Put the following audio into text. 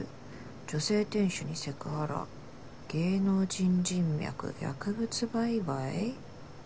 女性店主にセクハラ芸能人人脈薬物売買」？